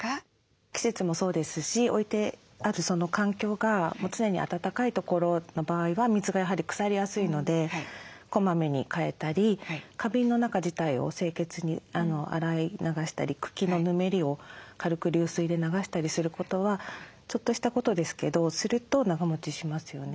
季節もそうですし置いてあるその環境がもう常に暖かい所の場合は水がやはり腐りやすいのでこまめに換えたり花瓶の中自体を清潔に洗い流したり茎のぬめりを軽く流水で流したりすることはちょっとしたことですけどすると長もちしますよね。